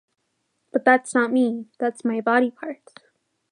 But that's not me, that's my body parts.